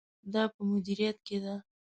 دا په مدیریت کې ده.